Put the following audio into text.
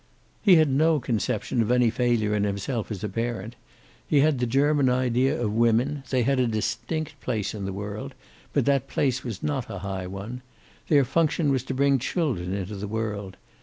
He had no conception of any failure in himself as a parent. He had the German idea of women. They had a distinct place in the world, but that place was not a high one. Their function was to bring children into the world.